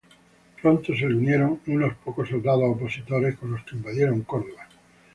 Pronto se le unieron unos pocos soldados opositores con los que invadieron Córdoba.